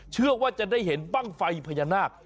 เชื่อว่าจะได้เห็นบ้างไฟพญานาค